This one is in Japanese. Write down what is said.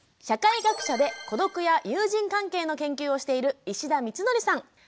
社会学者で孤独や友人関係の研究をしている石田光規さん。